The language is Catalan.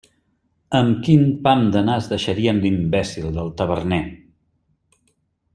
Amb quin pam de nas deixarien l'imbècil del taverner!